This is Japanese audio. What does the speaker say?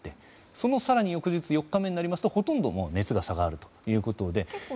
その更に翌日４日目になりますとほとんどもう熱が下がるということで。